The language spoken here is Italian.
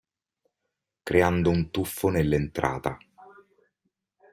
Creando un tuffo nell'entrata.